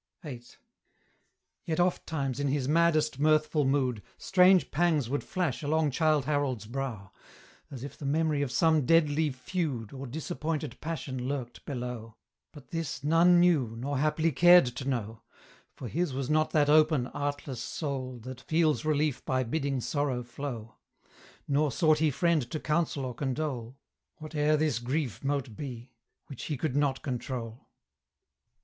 VIII. Yet ofttimes in his maddest mirthful mood, Strange pangs would flash along Childe Harold's brow, As if the memory of some deadly feud Or disappointed passion lurked below: But this none knew, nor haply cared to know; For his was not that open, artless soul That feels relief by bidding sorrow flow; Nor sought he friend to counsel or condole, Whate'er this grief mote be, which he could not control.